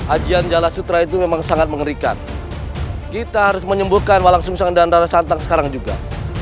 ajian jala sutra itu memang sangat mengerikan kita harus menyembuhkan walang sumsengan dan darah santang sekarang juga